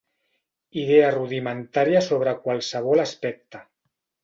Idea rudimentària sobre qualsevol aspecte.